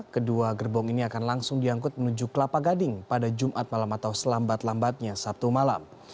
kedua gerbong ini akan langsung diangkut menuju kelapa gading pada jumat malam atau selambat lambatnya sabtu malam